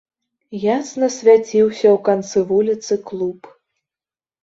Ясна свяціўся ў канцы вуліцы клуб.